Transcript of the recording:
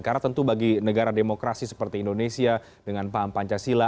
karena tentu bagi negara demokrasi seperti indonesia dengan paham pancasila